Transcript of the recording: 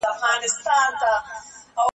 موږ تېر کال په خپل کار کي لوی بدلون راوست.